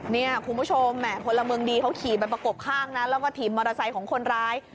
เนี่ยคุณผู้ชมแหม่พลเมืองดีเขาขี่ไปประกบข้างนะแล้วก็ถีบมอเตอร์ไซค์ของคนร้าย